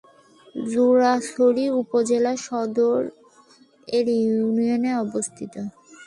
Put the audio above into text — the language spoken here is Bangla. জুরাছড়ি উপজেলা সদর এ ইউনিয়নে অবস্থিত।